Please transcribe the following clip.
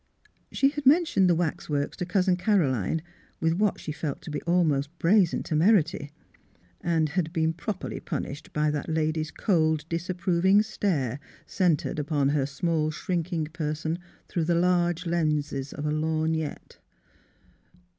She had mentioned the wax works to Cousin Caroline, with what she felt to be almost brazen temerity, and had been properly punished by that lady's cold disapproving stare centred upon her small, shrinking person through the large lenses of a lorgnette.